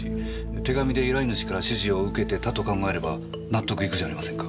手紙で依頼主から指示を受けてたと考えれば納得いくじゃありませんか。